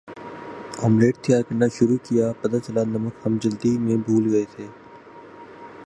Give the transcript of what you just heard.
omelette تیار کرنا شروع کیا پتا چلا نمک ہم جلدی میں بھول گئےتھے